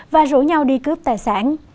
và rủ nhau đi cướp tài sản